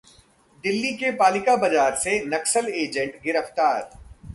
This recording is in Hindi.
दिल्ली के पालिका बाजार से नक्सल एजेंट गिरफ्तार